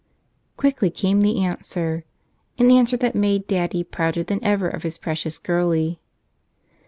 Quickly came the answer — an answer that made daddy prouder than ever of his precious girlie.